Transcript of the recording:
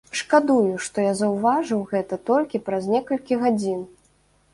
Шкадую, што я заўважыў гэта толькі праз некалькі гадзін.